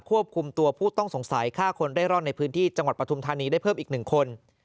ควบคุมตัวผู้ต้องสงสัยฆ่าคนเร่ร่อนในพื้นที่จังหวัดปฐุมธานีได้เพิ่มอีก๑คน